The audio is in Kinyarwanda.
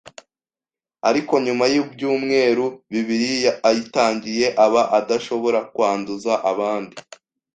ariko nyuma y’ibyumweru bibiri ayitangiye aba adashobora kwanduza abandi.